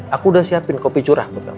aku udah siapin kopi curah buat kamu